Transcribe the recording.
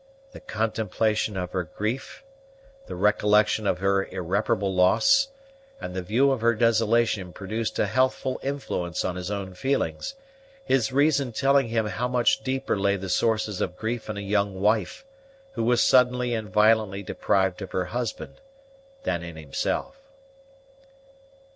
The contemplation of her grief, the recollection of her irreparable loss, and the view of her desolation produced a healthful influence on his own feelings; his reason telling him how much deeper lay the sources of grief in a young wife, who was suddenly and violently deprived of her husband, than in himself.